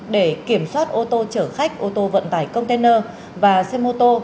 để kiểm soát ô tô chở khách ô tô vận tải container và xe mô tô